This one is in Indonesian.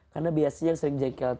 karena biasanya yang sering jengkel